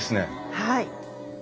はい。